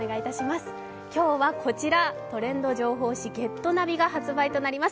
今日はこちら、トレンド情報誌、「ＧｅｔＮａｖｉ」が発売となります。